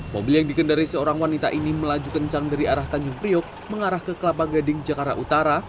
mobil yang dikendari seorang wanita ini melaju kencang dari arah tanjung priok mengarah ke kelapa gading jakarta utara